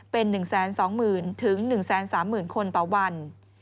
เป็น๑๒๐๐๐๑๓๐๐๐คนต่อวัน